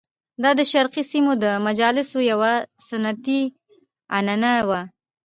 دا د شرقي سیمو د مجالسو یوه سنتي عنعنه وه.